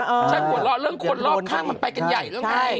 ฉันหัวเราะเรื่องคนรอบข้างมันไปกันใหญ่เรื่องง่าย